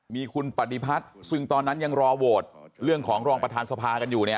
มีคุณปฏิพัฒน์ซึ่งตอนนั้นยังรอโหวตเรื่องของรองประธานสภากันอยู่เนี่ย